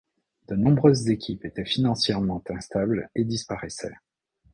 De nombreuses équipes étaient financièrement instables et disparaissaient.